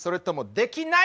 できない！